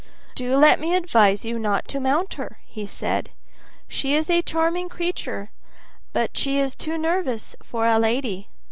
"Do let me advise you not to mount her," he said; "she is a charming creature, but she is too nervous for a lady.